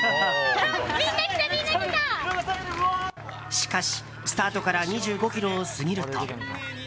しかし、スタートから２５ｋｍを過ぎると。